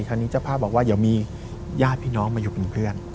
เจ้านี้เจ้าภาพบอกว่าเดี๋ยวมีญาติพี่น้องมาอยู่เป็นเพื่อน